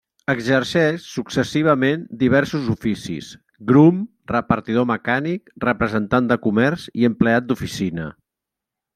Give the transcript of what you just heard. Exerceix successivament diversos oficis: grum, repartidor mecànic, representant de comerç i empleat d'oficina.